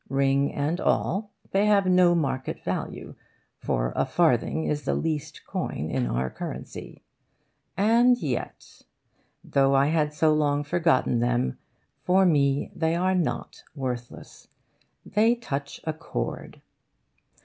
Ring and all, they have no market value; for a farthing is the least coin in our currency. And yet, though I had so long forgotten them, for me they are not worthless. They touch a chord...